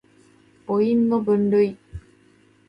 母音の分類